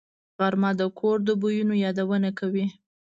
غرمه د کور د بویونو یادونه کوي